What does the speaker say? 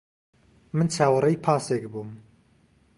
من چاوەڕێی پاسێک بووم.